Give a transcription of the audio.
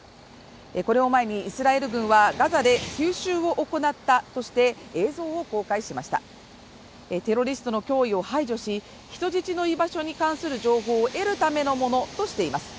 これを前にイスラエル軍はガザで急襲を行ったとして映像を公開しましたテロリストの脅威を排除し人質の居場所に関する情報を得るためのものとしています